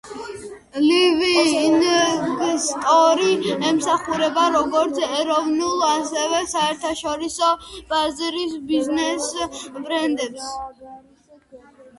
ლივინგსტონი ემსახურება როგორც ეროვნულ ასევე საერთაშორისო ბაზრის ბიზნეს ბრენდებს.